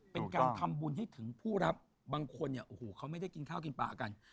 เป็นการทำบุญให้ผู้รับบางคนเขาไม่ได้กินข้าวกินป่ากัน